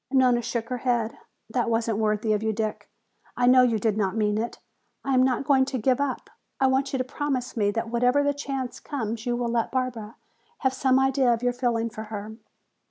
Nona shook her head. "That wasn't worthy of you, Dick; I know you did not mean it. I am not going to give up. I want you to promise me that whenever the chance comes you will let Barbara have some idea of your feeling for her."